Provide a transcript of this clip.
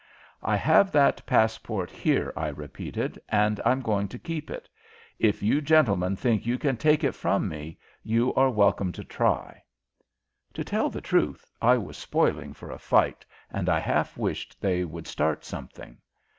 "I have that passport here," I repeated, "and I'm going to keep it. If you gentlemen think you can take it from me, you are welcome to try!" To tell the truth, I was spoiling for a fight and I half wished they would start something.